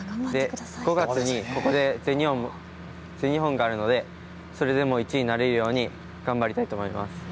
５月にここで、全日本があるのでそれでも１位になれるように頑張りたいと思います。